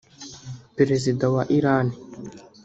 perezida wa Irani